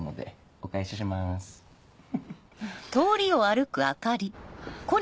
お返ししますフフ。